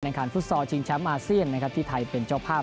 การฟุตซอลชิงแชมป์อาเซียนนะครับที่ไทยเป็นเจ้าภาพ